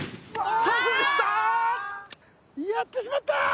やってしまった！